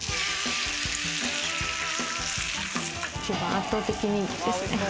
圧倒的人気ですね。